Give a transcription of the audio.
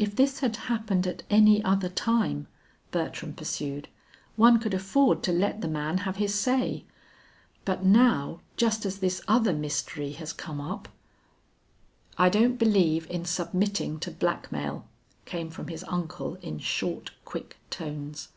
"If this had happened at any other time," Bertram pursued, "one could afford to let the man have his say; but now, just as this other mystery has come up " "I don't believe in submitting to blackmail," came from his uncle in short, quick tones.